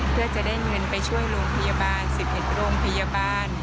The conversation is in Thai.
เพื่อจะได้เงินไปช่วยโรงพยาบาล๑๑โรงพยาบาล